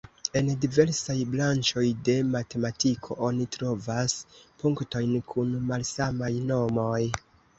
En diversaj branĉoj de matematiko oni trovas punktojn kun malsamaj nomoj.